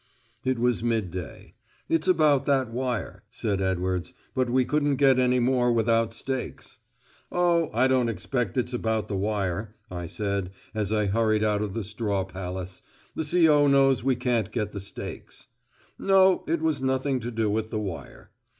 It was midday. "It's about that wire," said Edwards. "But we couldn't get any more out without stakes." "Oh, I don't expect it's about the wire," I said, as I hurried out of the Straw Palace. "The C.O. knows we can't get the stakes." No, it was nothing to do with the wire.